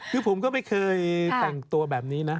คือผมก็ไม่เคยแต่งตัวแบบนี้นะ